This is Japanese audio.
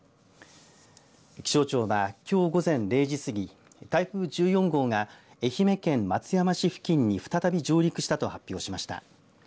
気象庁は、きょう午前０時すぎ台風１４号が愛媛県松山市付近に再び上陸したと発表しました。